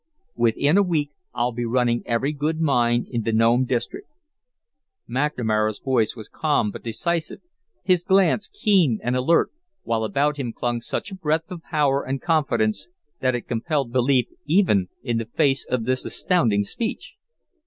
"Within a week I'll be running every good mine in the Nome district." McNamara's voice was calm but decisive, his glance keen and alert, while about him clung such a breath of power and confidence that it compelled belief even in the face of this astounding speech.